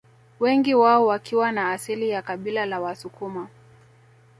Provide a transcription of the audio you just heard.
Wengi wao wakiwa na asili ya kabila la Wasukuma